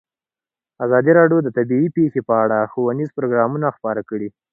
ازادي راډیو د طبیعي پېښې په اړه ښوونیز پروګرامونه خپاره کړي.